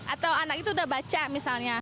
atau anak itu udah baca misalnya